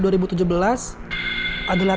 kita berjalan ke rumah